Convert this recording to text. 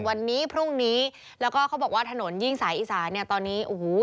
วันนี้พรุ่งนี้แล้วก็เขาบอกว่าถนนยิ่งสายอีสานเนี่ยตอนนี้โอ้โห